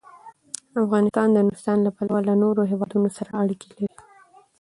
افغانستان د نورستان له پلوه له نورو هېوادونو سره اړیکې لري.